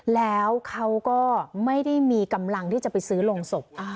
แล้วเขาก็ไม่ได้มีกำลังที่จะไปซื้อโรงศพ